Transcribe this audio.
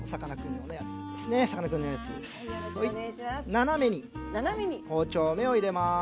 斜めに包丁目を入れます。